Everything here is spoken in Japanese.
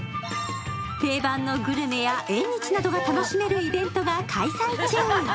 定番のグルメや縁日などが楽しめるイベントが開催中。